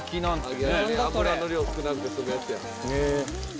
「油の量少なくて済むやつや」